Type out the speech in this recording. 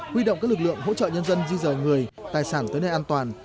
huy động các lực lượng hỗ trợ nhân dân di rời người tài sản tới nơi an toàn